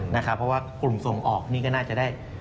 เพราะว่ากลุ่มส่งออกนี่ก็น่าจะได้